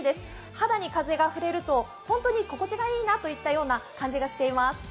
肌に風が触れると本当に心地がいいなといった感じがしています。